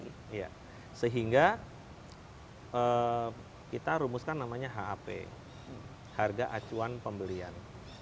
sehingga kita rumuskan namanya hap harga acuan pembelian